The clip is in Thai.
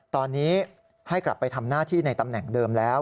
ตอนนี้ให้กลับไปทำหน้าที่ในตำแหน่งเดิมแล้ว